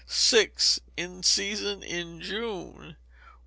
In Season in June.